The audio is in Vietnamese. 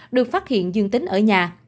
được phát hiện dương tính ở nhà